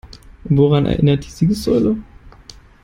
Woran erinnert die Siegessäule?